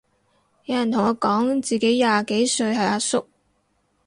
有人同我講自己廿幾歲係阿叔